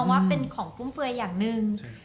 ว่าเป็นของฟุ่มเฟือยอย่างหนึ่ง